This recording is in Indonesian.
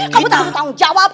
kamu tanggung jawab